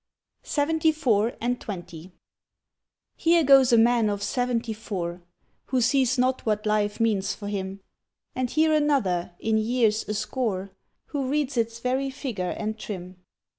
SEVENTY FOUR AND TWENTY HERE goes a man of seventy four, Who sees not what life means for him, And here another in years a score Who reads its very figure and trim.